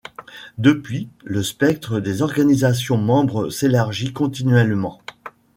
Depuis, le spectre des organisations membres s’élargit continuellement.